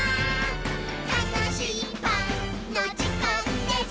「たのしいパンのじかんです！」